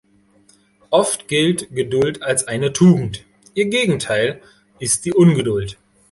Oft gilt Geduld als eine Tugend; ihr Gegenteil ist die Ungeduld.